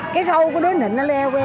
cái râu của đứa nịnh nó loe hoe